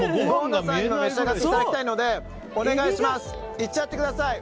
いっちゃってください。